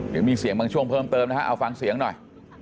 เดี๋ยวมีเสียงบางช่วงเพิ่มเติมนะฮะเอาฟังเสียงหน่อย